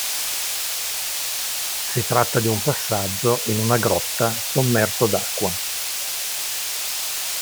Si tratta di un passaggio in una grotta sommerso d'acqua.